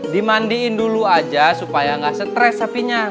dimandiin dulu aja supaya nggak stres sapinya